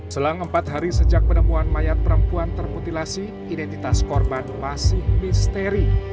selang empat hari sejak penemuan mayat perempuan termutilasi identitas korban masih misteri